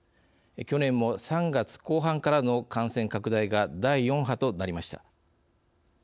去年も３月後半からの感染拡大が第４波となりました。